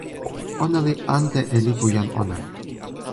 ona li ante e lipu jan ona.